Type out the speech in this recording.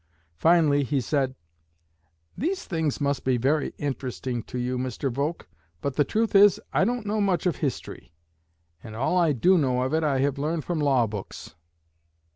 Finally he said, 'These things must be very interesting to you, Mr. Volk; but the truth is, I don't know much of history, and all I do know of it I have learned from law books.'